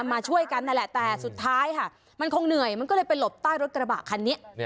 มาช่วยกันนั่นแหละแต่สุดท้ายค่ะมันคงเหนื่อยมันก็เลยไปหลบใต้รถกระบะคันนี้